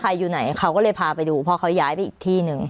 อยู่ไหนเขาก็เลยพาไปดูเพราะเขาย้ายไปอีกที่หนึ่ง